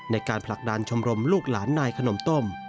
ในการผลักดันชมรมลูกหลานนายขนมต้ม